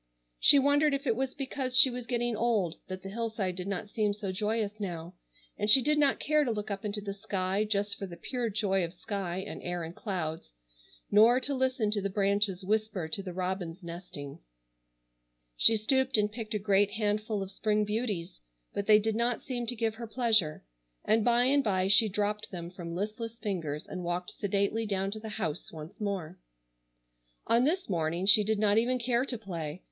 She wondered if it was because she was getting old that the hillside did not seem so joyous now, and she did not care to look up into the sky just for the pure joy of sky and air and clouds, nor to listen to the branches whisper to the robins nesting. She stooped and picked a great handful of spring beauties, but they did not seem to give her pleasure, and by and by she dropped them from listless fingers and walked sedately down to the house once more. On this morning she did not even care to play.